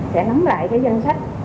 sẽ nắm lại danh sách